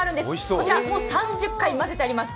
こちら、もう３０回混ぜてあります。